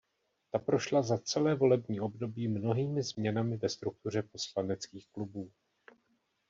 Ta prošla za celé volební období mnohými změnami ve struktuře poslaneckých klubů.